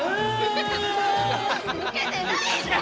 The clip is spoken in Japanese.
ウケてないじゃん！